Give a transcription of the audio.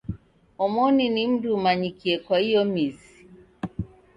Omoni ni mndu umanyikie kwa iyo mizi.